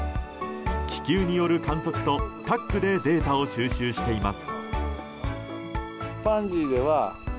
気球による観測とタッグでデータを収集しています。